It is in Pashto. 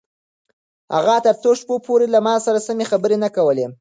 اغا تر څو شپو پورې له ما سره سمې خبرې نه کولې.